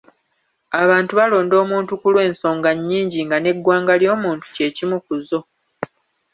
Abantu balonda omuntu ku lw'ensonga nnyingi nga n'eggwanga ly'omuntu kye kimu ku zo.